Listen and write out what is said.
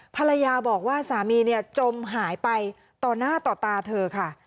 ภรรยาบอกว่าสามีเนี่ยจมหายไปต่อหน้าต่อตาเธอค่ะ